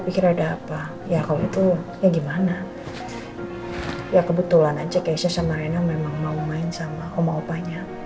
pikir ada apa ya kalau itu ya gimana ya kebetulan aja keisha sama rena memang mau main sama omo opanya